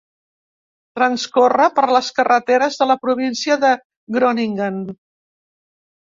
Transcorre per les carreteres de la Província de Groningen.